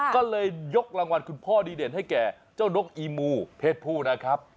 ก็เลยยกรางวัลคุณพ่อดีเด่นให้แก่เจ้านกอีมูเพศผู้นะครับ